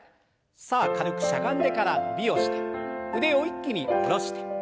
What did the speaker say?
さあ軽くしゃがんでから伸びをして腕を一気に下ろして。